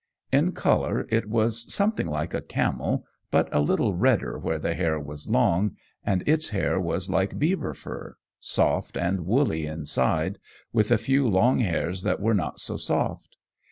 In color it was something like a camel, but a little redder where the hair was long, and its hair was like beaver fur soft and woolly inside, with a few long hairs that were not so soft.